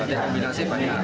batik kombinasi banyak